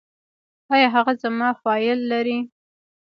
ایا هغه زما فایل لري؟